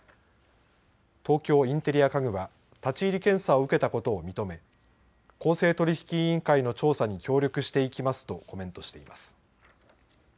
東京インテリア家具は立ち入り検査を受けたことを認め、公正取引委員会の調査に協力していきますとコメントしています。